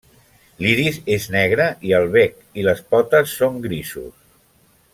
L'iris és negre i el bec i les potes són grisos.